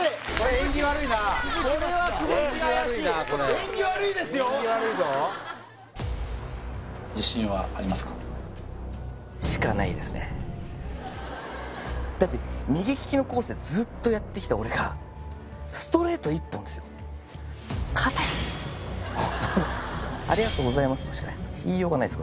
縁起悪いなこれ縁起悪いですよ縁起悪いぞだって右利きのコースでずっとやってきた俺がこんなものは「ありがとうございます」としか言いようがないす